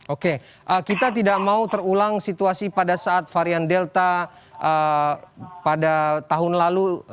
oke kita tidak mau terulang situasi pada saat varian delta pada tahun lalu